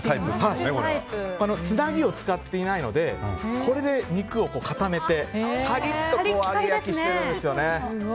つなぎを使っていないのでこれで肉を固めてカリッとさせているんですよね。